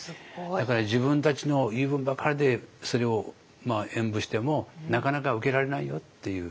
だから自分たちの言い分ばかりでそれを演舞してもなかなか受け入れられないよっていう。